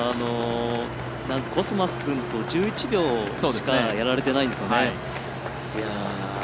コスマス君と１１秒しかやられてないんですよね。